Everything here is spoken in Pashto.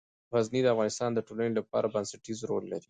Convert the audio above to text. غزني د افغانستان د ټولنې لپاره بنسټيز رول لري.